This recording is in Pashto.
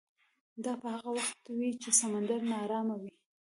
دا به هغه وخت وي چې سمندر ناارامه وي.